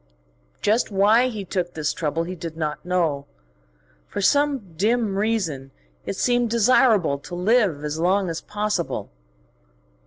Just why he took this trouble he did not know: for some dim reason it seemed desirable to live as long as possible.